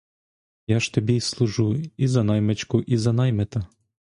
Я ж тобі служу і за наймичку, і за наймита.